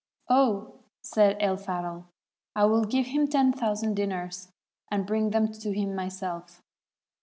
'* Oh,' said El Fahdl, * I will give him ten thousand dinars, and bring them to him myself.